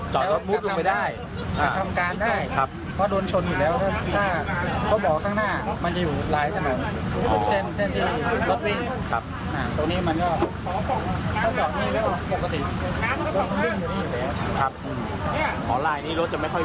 ใช่แล้วเป็นไปได้ไหมอีกคนจะตกไป